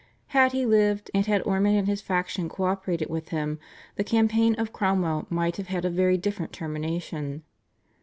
Had he lived, and had Ormond and his faction co operated with him, the campaign of Cromwell might have had a very different termination.